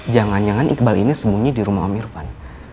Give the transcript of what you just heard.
jangan jangan iqbal ini sembunyi di rumah om irfan